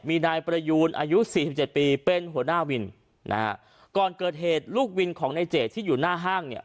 มีนายประยูนอายุสี่สิบเจ็ดปีเป็นหัวหน้าวินนะฮะก่อนเกิดเหตุลูกวินของในเจดที่อยู่หน้าห้างเนี่ย